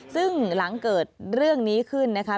ซึ่งหลังเกิดเรื่องนี้ขึ้นนะคะ